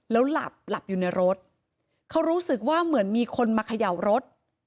แล้วหลับหลับอยู่ในรถเขารู้สึกว่าเหมือนมีคนมาเขย่ารถ